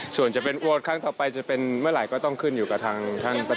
ส่วนจะเป็นโอดครั้งต่อไปจะเป็นเมื่อไหร่ก็ต้องขึ้นอยู่กับทางท่านประธาน